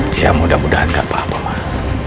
dia mudah mudahan gak apa apa mas